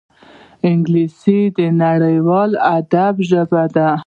انګلیسي د نړیوال ادب ژبه ده